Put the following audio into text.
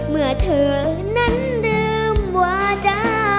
เมื่อเธอนั้นเริ่มว่าจะ